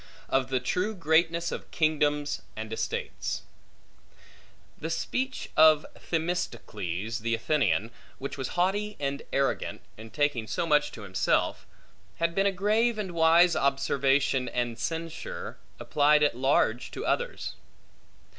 Of the True Greatness Of Kingdoms And Estates THE speech of Themistocles the Athenian, which was haughty and arrogant, in taking so much to himself, had been a grave and wise observation and censure, applied at large to others.